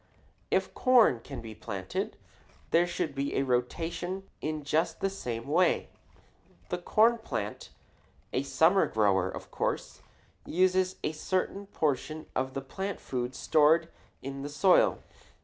[Illustration: FIG. 27. COWPEAS AND CORN OCTOBER] If corn be planted, there should be a rotation in just the same way. The corn plant, a summer grower, of course uses a certain portion of the plant food stored in the soil.